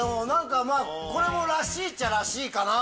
まぁこれもらしいっちゃらしいかな。